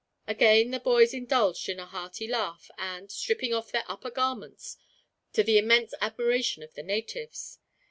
Again the boys indulged in a hearty laugh and, stripping off their upper garments, to the immense admiration of the natives.